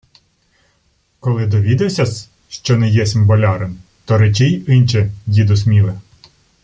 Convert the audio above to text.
— Коли довідався-с, що не єсмь болярин, то речи й инче, діду Сміле!